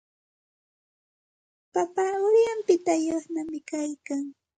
Papa ayrumpiyuqñami kaykan.